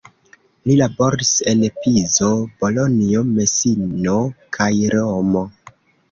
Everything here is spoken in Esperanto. Li laboris en Pizo, Bolonjo, Mesino kaj Romo.